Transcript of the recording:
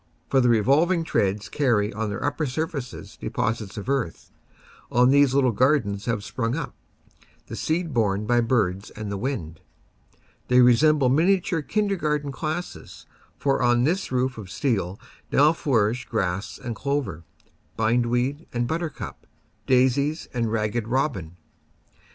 For the revolving treads carry on their upper surfaces deposits of earth; on these little gar dens have sprung up, the seed borne by birds and the wind. They resemble miniature kindergarten classes, for on this roof of steel now flourish grass and clover, bindweed and buttercup, daisies and Ragged Robin.